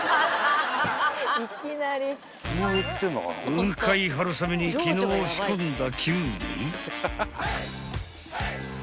［雲海はるさめに昨日仕込んだ］